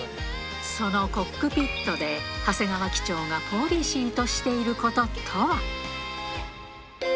そのコックピットで、長谷川機長がポリシーとしていることとは。